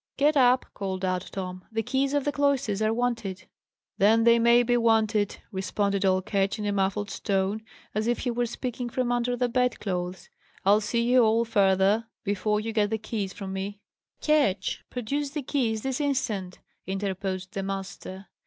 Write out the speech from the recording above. "Get up!" called out Tom. "The keys of the cloisters are wanted." "Then they may be wanted!" responded old Ketch in a muffled tone, as if he were speaking from under the bed clothes. "I'll see you all furder before you get the keys from me." "Ketch, produce the keys this instant!" interposed the master.